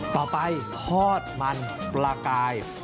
ต่อไปทอดมันปลากาย